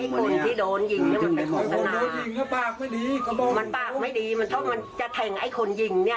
มันปากไม่ดีเพราะมันจะแทงไอ้คนยิงเนี่ย